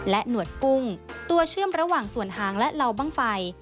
หนวดกุ้งตัวเชื่อมระหว่างส่วนหางและเหล่าบ้างไฟ